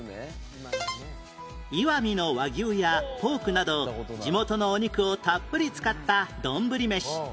石見の和牛やポークなど地元のお肉をたっぷり使った丼飯